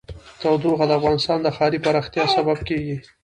تودوخه د افغانستان د ښاري پراختیا سبب کېږي.